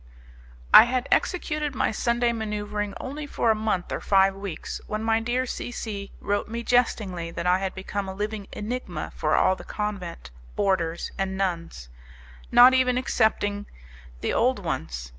I had executed my Sunday manoeuvering only for a month or five weeks, when my dear C C wrote me jestingly that I had become a living enigma for all the convent, boarders and nuns, not even excepting the old ones.